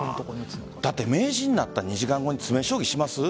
名人になった２時間後に詰め将棋しますか。